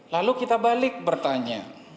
lalu kita balik bertanya